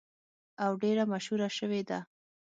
او ډیره مشهوره شوې ده.